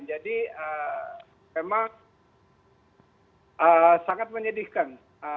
jadi memang sangat menyedihkan